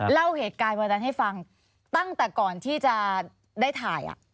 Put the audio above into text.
เล่าเหตุการณ์วันนั้นให้ฟังตั้งแต่ก่อนที่จะได้ถ่าย